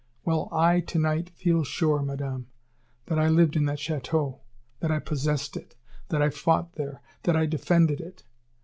Well, I, to night, feel sure, Madame, that I lived in that château, that I possessed it, that I fought there, that I defended it.